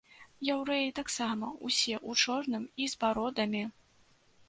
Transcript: Яўрэі таксама ўсе ў чорным і з бародамі!